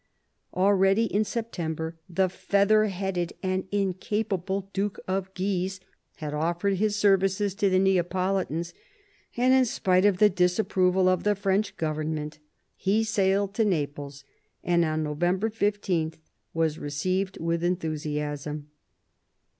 Already, in September, the feather headed and incapable Duke of Guise had offered his services to the Neapolitans, and in spite of the disapproval of the French government, he sailed to Naples, and on November 15 was received with enthusiasm.